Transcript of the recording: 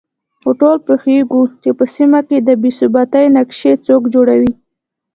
خو ټول پوهېږو چې په سيمه کې د بې ثباتۍ نقشې څوک جوړوي